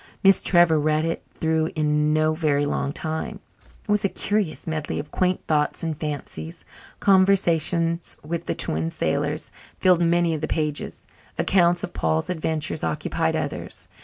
Miss Trevor read it through in no very long time. It was a curious medley of quaint thoughts and fancies. Conversations with the Twin Sailors filled many of the pages; accounts of Paul's "adventures" occupied others.